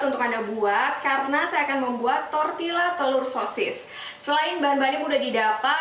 yang anda buat karena saya akan membuat tortilla telur sosis selain bahan bahannya mudah didapat